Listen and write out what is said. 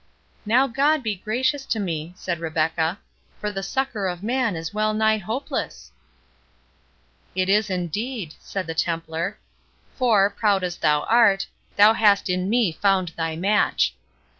"Now God be gracious to me," said Rebecca, "for the succour of man is well nigh hopeless!" "It is indeed," said the Templar; "for, proud as thou art, thou hast in me found thy match.